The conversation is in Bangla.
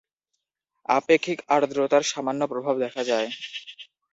আপেক্ষিক আর্দ্রতার সামান্য প্রভাব দেখা যায়।